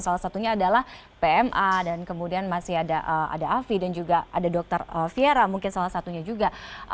salah satunya adalah pma dan kemudian masih ada afi dan juga ada dokter fiera mungkin salah satunya juga